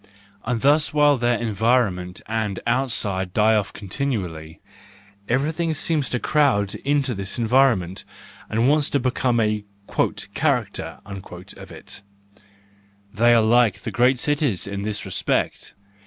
And thus while their en¬ vironment and outside die off continually, every¬ thing seems to crowd into this environment, and wants to become a "character" of it; they are like great cities in this respect.